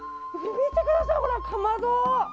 見てください、かまど。